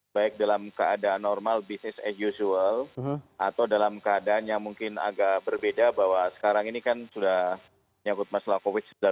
baik dalam keadaan normal business as usual atau dalam keadaan yang mungkin agak berbeda bahwa sekarang ini kan sudah nyabut masalah covid sembilan belas